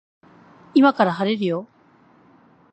今から晴れるよ